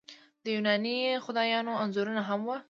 د یوناني خدایانو انځورونه هم وو